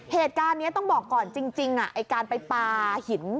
เหตุการณ์นี้ต้องบอกก่อนจริงไอ้การไปปลาหิน